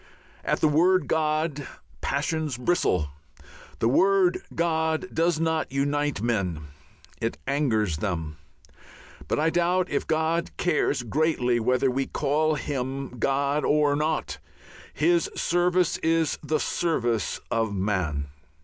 At the word "God" passions bristle. The word "God" does not unite men, it angers them. But I doubt if God cares greatly whether we call Him God or no. His service is the service of man.